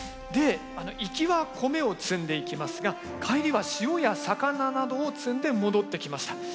で行きは米を積んでいきますが帰りは塩や魚などを積んで戻ってきました。